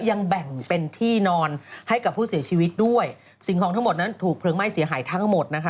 ยังแบ่งเป็นที่นอนให้กับผู้เสียชีวิตด้วยสิ่งของทั้งหมดนั้นถูกเพลิงไหม้เสียหายทั้งหมดนะคะ